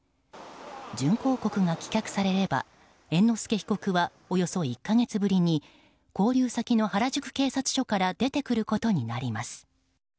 準抗告が棄却されれば猿之助被告はおよそ１か月ぶりに勾留先の原宿警察署から出てくることになります。